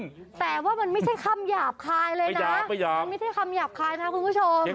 แต่ว่ามันไม่ใช่คำหยาบคายเลยนะมันไม่ใช่คำหยาบคายนะคุณผู้ชม